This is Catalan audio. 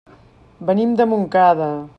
Venim de Montcada.